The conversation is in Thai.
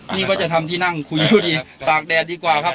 นี่ก็จะทำที่นั่งคุยอยู่ดีตากแดดดีกว่าครับ